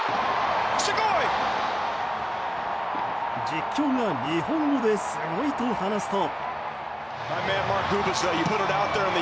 実況が日本語ですごいと話すと。